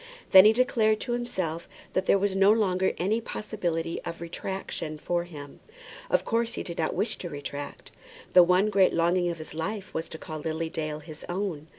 Then he declared to himself that there was no longer any possibility of retractation for him. Of course he did not wish to retract. The one great longing of his life was to call Lily Dale his own.